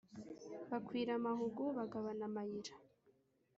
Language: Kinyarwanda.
Bakwira amahugu, bagabana amayira;